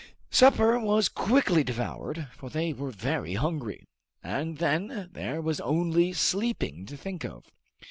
Supper was quickly devoured, for they were very hungry, and then there was only sleeping to think of.